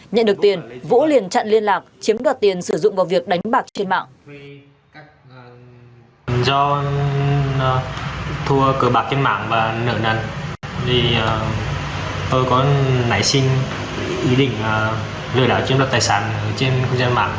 nhận được tiền vũ liền chặn liên lạc chiếm đoạt tiền sử dụng vào việc đánh bạc trên mạng